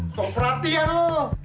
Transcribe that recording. sok perhatian lo